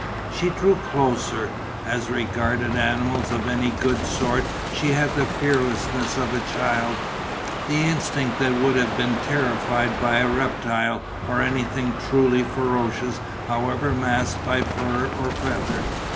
She drew closer. As regarded animals of any good sort she had the fearlessness of a child, the instinct that would have been terrified by a reptile or anything truly ferocious however masked by fur or feather.